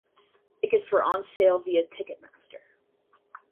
Tickets were on sale via Ticketmaster.